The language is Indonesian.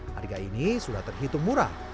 harga ini sudah terhitung murah